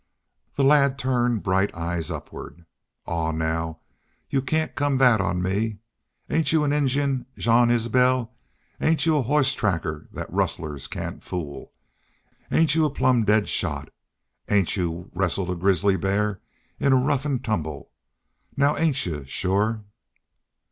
The lad turned bright eyes upward. "Aw, now, yu'all cain't come thet on me. Ain't y'u an Injun, Jean Isbel? Ain't y'u a hoss tracker thet rustlers cain't fool? Ain't y'u a plumb dead shot? Ain't y'u wuss'ern a grizzly bear in a rough an' tumble? ... Now ain't y'u, shore?"